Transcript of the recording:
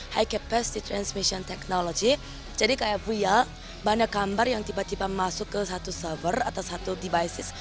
high capacity transmission technology jadi kayak freel banyak gambar yang tiba tiba masuk ke satu server atau satu debisis